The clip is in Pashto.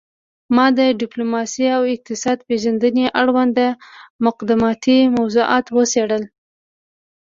ما د ډیپلوماسي او اقتصاد پیژندنې اړوند مقدماتي موضوعات وڅیړل